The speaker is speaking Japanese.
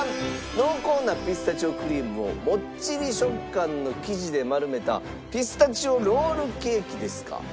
濃厚なピスタチオクリームをもっちり食感の生地で丸めたピスタチオロールケーキですか？